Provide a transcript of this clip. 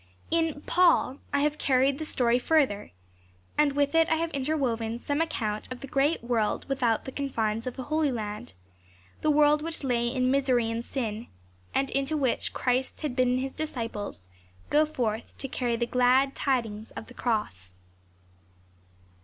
In " Paul," I have carried the story further, and with it I have interwoven some account of the great world without the confines of the Holy Land ; the world which lay in misery and sin, and into which Christ had bidden his disciples go forth to carry the Glad tidings of the Cross.